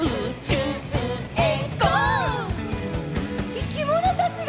いきものたちが。